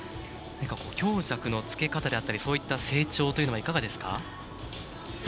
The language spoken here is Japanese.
強弱のつけ方であったりそういった成長というのはいかがですか？